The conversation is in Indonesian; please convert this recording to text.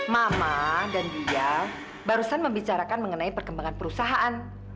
mama dan dia barusan membicarakan mengenai perkembangan perusahaan